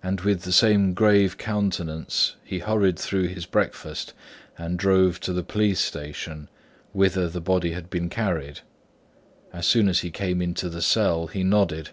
And with the same grave countenance he hurried through his breakfast and drove to the police station, whither the body had been carried. As soon as he came into the cell, he nodded.